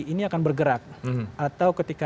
ini akan bergerak atau ketika